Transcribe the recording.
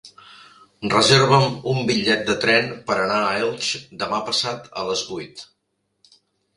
Reserva'm un bitllet de tren per anar a Elx demà passat a les vuit.